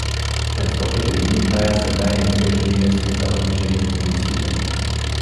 През топлите дни тая следа е неизбежна и лесно издава движението на войските.